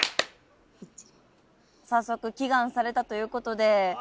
早速祈願されたということで。